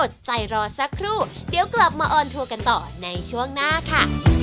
อดใจรอสักครู่เดี๋ยวกลับมาออนทัวร์กันต่อในช่วงหน้าค่ะ